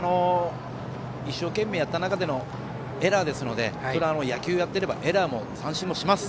一生懸命やった中でのエラーですのでそれは、野球をやってればエラーも三振もします。